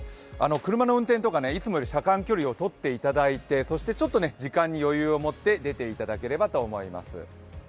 車の運転とか、いつもより車間距離をとっていただいてそして時間に余裕を持って出ていただければと思います。